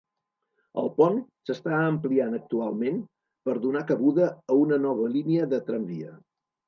El pont s'està ampliant actualment per donar cabuda a una nova línia de tramvia.